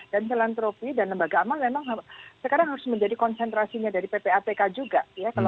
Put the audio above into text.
dan filantropi dan lembaga amal memang sekarang harus menjadi konsentrasinya dari ppapk juga